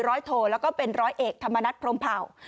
โทแล้วก็เป็นร้อยเอกธรรมนัฐพรมเผ่า